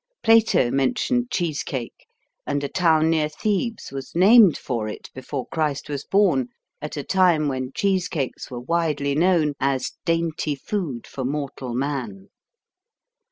Plato mentioned cheese cake, and a town near Thebes was named for it before Christ was born, at a time when cheese cakes were widely known as "dainty food for mortal man."